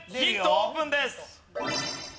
オープンです！